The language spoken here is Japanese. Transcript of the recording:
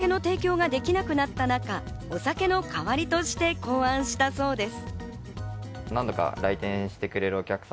コロナ禍でお酒の提供ができなくなった中、お酒の代わりとして考案したそうです。